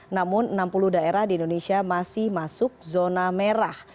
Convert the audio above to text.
namun enam puluh daerah di indonesia masih masuk zona merah